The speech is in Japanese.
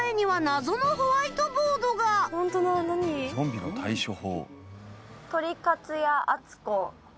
「ゾンビの対処法」。